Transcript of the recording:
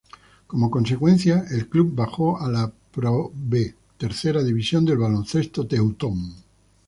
Como consecuencia el club bajó a la Pro B, tercera división del baloncesto teutón.